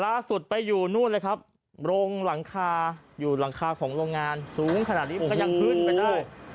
ล่าสุดไปอยู่นู่นเลยครับโรงหลังคาอยู่หลังคาของโรงงานสูงขนาดนี้ก็ยังขึ้นไปได้